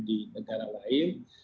di negara lain